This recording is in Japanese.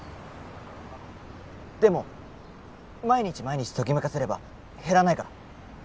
でも毎日毎日ときめかせれば減らないから。